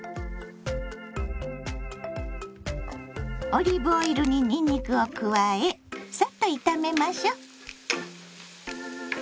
オリーブオイルににんにくを加えさっと炒めましょ。